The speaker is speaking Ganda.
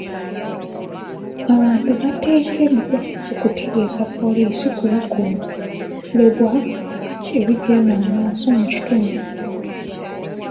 Abantu bateekeddwa okutegeeza poliisi ku bikolobero ebigenda mu maaso mu kitundu .